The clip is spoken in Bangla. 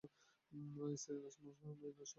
স্ত্রী নাজমা রহমান একজন আদর্শ সুগৃহিণী।